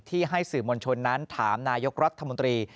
ให้สื่อมวลชนนั้นถามนายกรัฐมนตรี